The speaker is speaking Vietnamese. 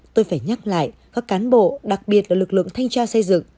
tôi phải nhắc lại các cán bộ đặc biệt là lực lượng thanh tra xây dựng